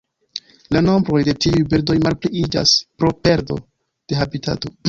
La nombroj de tiuj birdoj malpliiĝas pro perdo de habitato.